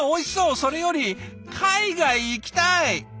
それより海外行きたい！